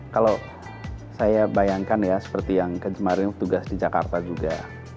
kalau saya bayangkan ya seperti yang kemarin tugas di jakarta juga